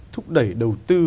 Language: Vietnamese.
thúc đẩy đầu tư